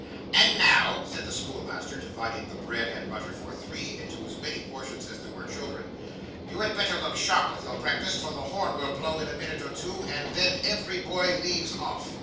'And now,' said the schoolmaster, dividing the bread and butter for three into as many portions as there were children, 'you had better look sharp with your breakfast, for the horn will blow in a minute or two, and then every boy leaves off.